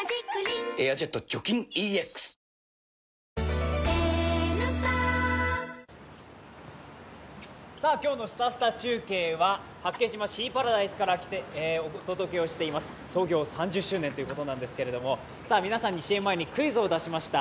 こちらではある生き物が腹筋運動が今日のすたすた中継は八景島シーパラダイスに来てお届けをしています、創業３０周年ということなんですけれども皆さんにＣＭ前にクイズを出しました。